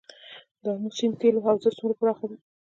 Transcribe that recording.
د امو سیند تیلو حوزه څومره پراخه ده؟